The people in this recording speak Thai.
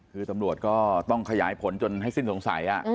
คือตำรวจก็ต้องขยายผลจนให้สิ้นสงสัย